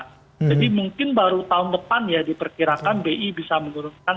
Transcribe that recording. jadi mungkin baru tahun depan ya diperkirakan bi bisa menurunkan